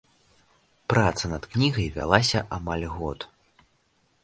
Праца над кнігай вялася амаль год.